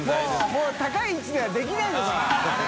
もう高い位置ではできないのかな△譴